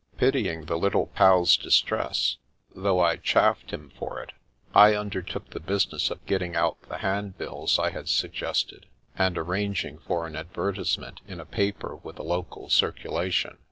Pitying the Little Pal's distress, though I chaffed him for it, I undertook the business of getting out the handbills I had suggested, and arranging for an advertisement in a paper with a local circulation.